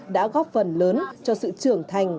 đã góp phần lớn cho sự trưởng thành